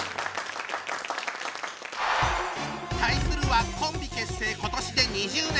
対するはコンビ結成今年で２０年。